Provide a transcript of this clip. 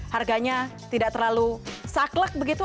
harganya tidak terlalu saklek begitu